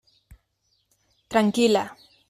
Tranquil·la.